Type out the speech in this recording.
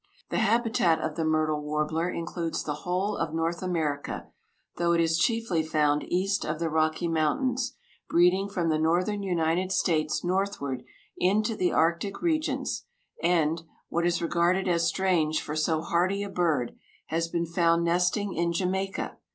The habitat of the myrtle warbler includes the whole of North America, though it is chiefly found east of the Rocky Mountains, breeding from the northern United States northward into the Arctic regions; and, what is regarded as strange for so hardy a bird, has been found nesting in Jamaica.